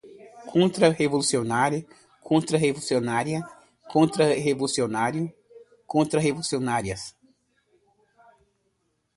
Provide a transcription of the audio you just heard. Contrarrevolucionários, contrarrevolucionária, contrarrevolucionário, contrarrevolucionárias